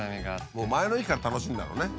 もう前の駅から楽しいんだろうね。